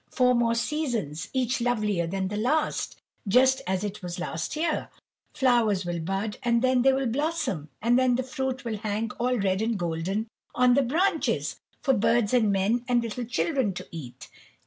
"Four more seasons, each lovelier than the last, just as it was last year. Flowers will bud, and then they will blossom, and then the fruit will hang all red and golden on the branches, for birds and men and little children to eat."